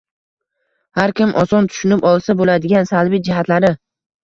har kim oson tushunib olsa bo‘ladigan salbiy jihatlari.